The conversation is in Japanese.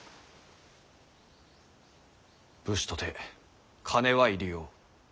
武士とて金は入り用。